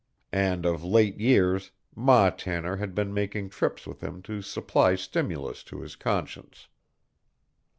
And of late years Ma Tanner had been making trips with him to supply stimulus to his conscience.